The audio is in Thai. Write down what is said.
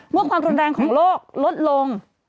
เมื่อความรุนแรงของโรคลดลง